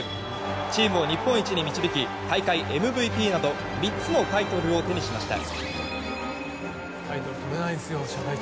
チームを日本一に導き大会ＭＶＰなど３つのタイトルを手にしました。